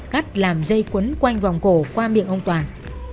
cắt làm dây cuốn quanh vòng cổ qua miệng ông toàn